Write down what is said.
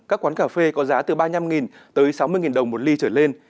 các quán cà phê có giá từ ba mươi năm tới sáu mươi đồng một ly trở lên